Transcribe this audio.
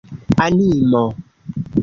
animo